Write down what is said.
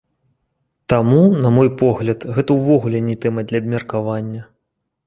Таму, на мой погляд, гэта ўвогуле не тэма для абмеркавання.